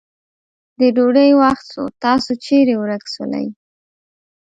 د ډوډی وخت سو تاسو چیري ورک سولې.